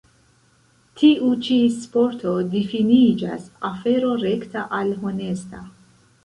Tiu ĉi sporto difiniĝas afero rekta kaj honesta.